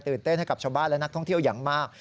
เต้นให้กับชาวบ้านและนักท่องเที่ยวอย่างมาก